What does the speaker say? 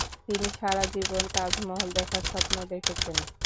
তিনি সারা জীবন তাজমহল দেখার স্বপ্ন দেখেছেন।